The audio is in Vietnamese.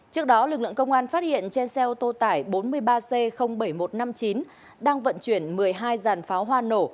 trước đó lực lượng công an phát hiện trên xe ô tô tải bốn mươi ba c bảy nghìn một trăm năm mươi chín đang vận chuyển một mươi hai giàn pháo hoa nổ